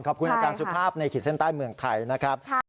ขอบคุณอาจารย์สุภาพในขีดเส้นใต้เมืองไทยนะครับ